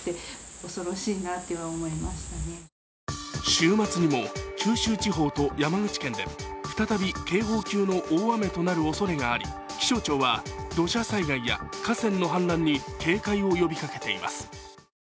週末にも九州地方と山口県で再び警報級の大雨となるおそれがあり気象庁は土砂災害や河川の氾濫に警戒を呼びかけています。